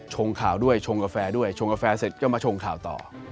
งข่าวด้วยชงกาแฟด้วยชงกาแฟเสร็จก็มาชงข่าวต่อ